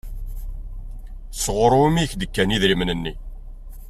Sɣur wumi i k-d-kan idrimen-nni?